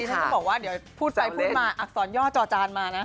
ฉันก็บอกว่าเดี๋ยวพูดไปพูดมาอักษรย่อจอจานมานะ